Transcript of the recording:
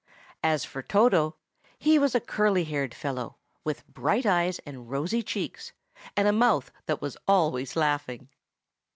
As for Toto, he was a curly haired fellow, with bright eyes and rosy cheeks, and a mouth that was always laughing.